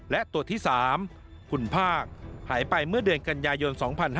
และตัวที่๓คุณภาคหายไปเมื่อเดือนกันยายน๒๕๕๙